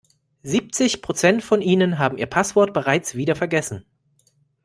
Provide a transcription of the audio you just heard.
Siebzig Prozent von Ihnen haben ihr Passwort bereits wieder vergessen.